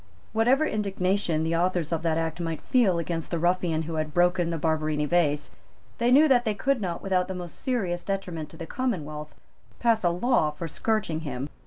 Whatever indignation the authors of that Act might feel against the ruffian who had broken the Barberini Vase, they knew that they could not, without the most serious detriment to the commonwealth, pass a law for scourging him.